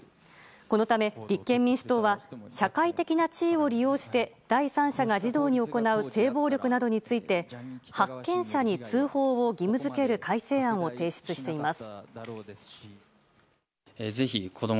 このため、立憲民主党は社会的な地位を利用して第三者が児童に行う性暴力などについて発見者に通報を義務付ける改正案を提出しています。